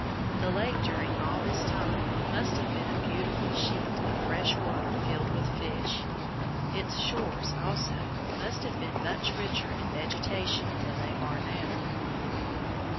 The lake during all this time must have been a beautiful sheet of fresh water filled with fish. Its shores, also, must have been much richer in vegetation than they are now. [Illustration: FIG. 54.